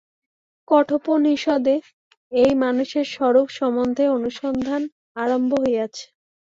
কঠোপনিষদে এই মানুষের স্বরূপ সম্বন্ধে অনুসন্ধান আরম্ভ হইয়াছে।